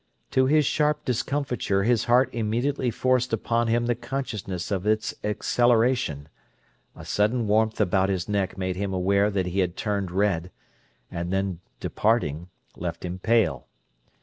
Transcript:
To his sharp discomfiture his heart immediately forced upon him the consciousness of its acceleration; a sudden warmth about his neck made him aware that he had turned red, and then, departing, left him pale.